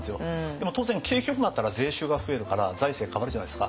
でも当然景気がよくなったら税収が増えるから財政変わるじゃないですか。